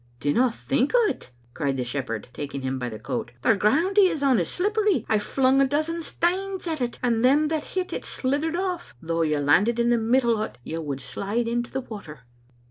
"Dinna think o't," cried the shepherd, taking him by the coat. "The ground he is on is slippery. I've flung a dozen stanes at it, and them that hit it slithered off. Though you landed in the middle o't, you would slide into the water."